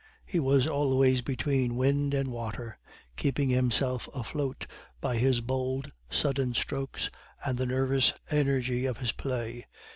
He was always between wind and water, keeping himself afloat by his bold, sudden strokes and the nervous energy of his play.